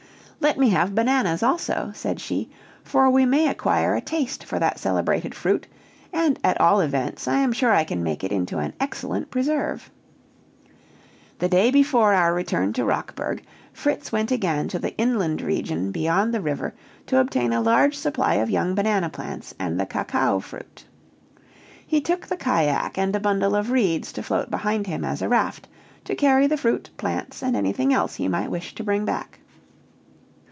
"Let me have bananas also," said she, "for we may acquire a taste for that celebrated fruit, and, at all events, I am sure I can make it into an excellent preserve." The day before our return to Rockburg, Fritz went again to the inland region beyond the river to obtain a large supply of young banana plants, and the cacao fruit. He took the cajack, and a bundle of reeds to float behind him as a raft to carry the fruit, plants, and anything else he might wish to bring back.